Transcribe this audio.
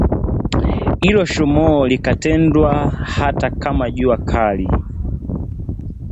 Ilo shomoo likatendwa hata kama jua kali